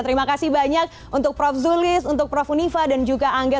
terima kasih banyak untuk prof zulis untuk prof univa dan juga angga